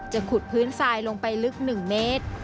ขุดพื้นทรายลงไปลึก๑เมตร